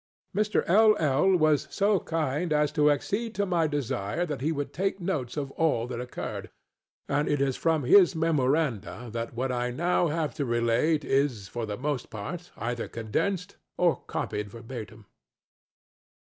Mr. LŌĆöl was so kind as to accede to my desire that he would take notes of all that occurred, and it is from his memoranda that what I now have to relate is, for the most part, either condensed or copied verbatim.